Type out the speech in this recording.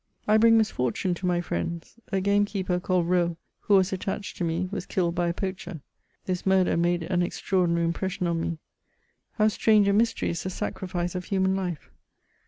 I bring misfortune to my friends. A gamekeeper, called Raulx, who was attached to me, was killed by a poacher. This murder made an extraordinary impression on me. How strange a mystery is the sacrifice of human life